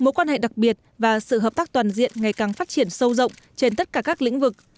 trại đặc biệt và sự hợp tác toàn diện ngày càng phát triển sâu rộng trên tất cả các lĩnh vực